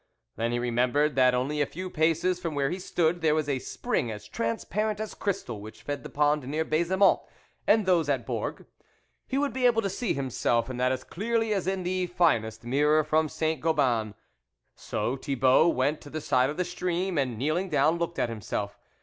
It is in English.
Then he remembered that only a few paces from where he stood, there was a spring as transparent as crystal, which fed the pond near Baisemont, and those at Bourg ; he would be able to see himself in that as clearly as in the finest mirror from Saint Gobain. So Thibault went to the side of the stream and, kneeling down, looked at himself.